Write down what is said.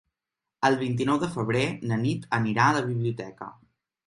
El vint-i-nou de febrer na Nit anirà a la biblioteca.